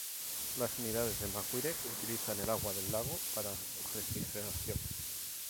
Las unidades de McGuire utilizan el agua del lago para refrigeración.